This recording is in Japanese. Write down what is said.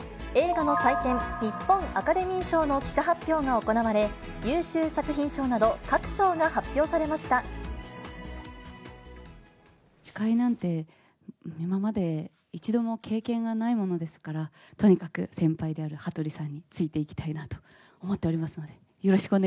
映画の祭典、日本アカデミー賞の記者発表が行われ、優秀作品賞など、各賞が発司会なんて、今まで一度も経験がないものですから、とにかく先輩である羽鳥さんについていきたいなと思っております